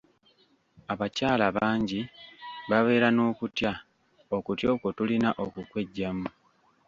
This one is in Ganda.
Abakyala bangi babeera n'okutya, okutya okwo tulina okukweggyamu.